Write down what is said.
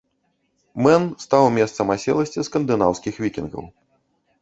Мэн стаў месцам аселасці скандынаўскіх вікінгаў.